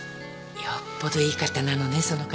よっぽどいい方なのねその方。